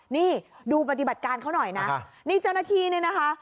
นี่ดูปฏิบัติการเขาหน่อยนะนี่เจ้าหน้าที่เนี่ยนะคะ